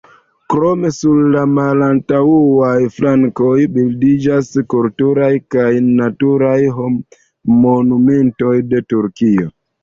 Krome sur la malantaŭaj flankoj bildiĝas kulturaj kaj naturaj monumentoj de Turkio.